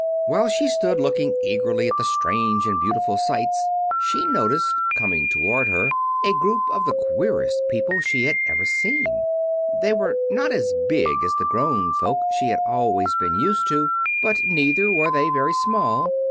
While she stood looking eagerly at the strange and beautiful sights, she noticed coming toward her a group of the queerest people she had ever seen. They were not as big as the grown folk she had always been used to; but neither were they very small.